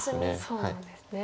そうなんですね。